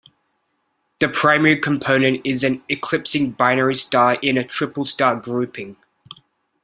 The primary component is an eclipsing binary star in a triple-star grouping.